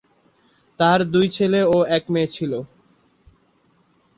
তাঁর দুই ছেলে ও এক মেয়ে ছিল।